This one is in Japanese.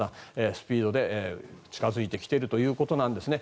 スピードで近付いてきているということですね。